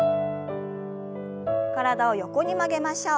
体を横に曲げましょう。